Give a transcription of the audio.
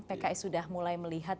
pks sudah mulai melihat